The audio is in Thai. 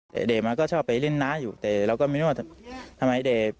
แต่เด็กมันก็ชอบไปเล่นน้าอยู่แต่เราก็ไม่รู้ว่าทำไมเด็ก